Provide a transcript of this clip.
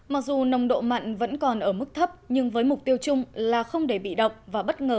mặc dù nồng độ mặn vẫn còn ở mức thấp nhưng với mục tiêu chung là không để bị động và bất ngờ